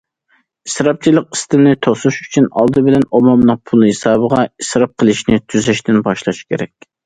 ئىسراپچىلىق ئىستىلىنى توسۇش ئۈچۈن، ئالدى بىلەن ئومۇمنىڭ پۇلى ھېسابىغا ئىسراپ قىلىشنى تۈزەشتىن باشلاش كېرەك.